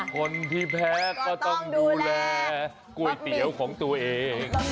คนที่แพ้ก็ต้องดูแลก๋วยเตี๋ยวของตัวเอง